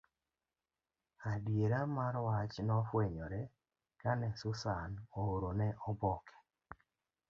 Adiera mar wach nofwenyore kane Susan oorone oboke.